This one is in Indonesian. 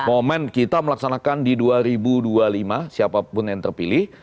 momen kita melaksanakan di dua ribu dua puluh lima siapapun yang terpilih